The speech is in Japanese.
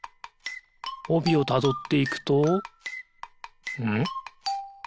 おびをたどっていくとんっ？